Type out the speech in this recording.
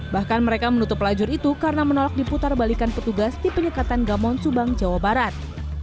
bahkan mereka menutup lajur itu karena menolak diputar balikan petugas di penyekatan gamon subang jawa barat